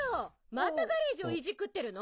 またガレージをいじくってるの？